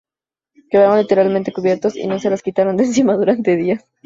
Quedaron literalmente cubiertos y no se las quitaron de encima durante días.